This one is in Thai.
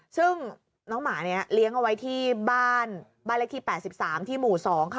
ซึ่งน้องหมาเนี้ยเลี้ยงเอาไว้ที่บ้านบ้านละทีแปดสิบสามที่หมู่สองค่ะ